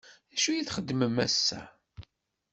D acu i txedmem ass-a?